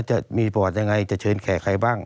จะมีประวัติยังไงจะเชิญแขกใครบ้าง